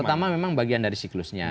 pertama memang bagian dari siklusnya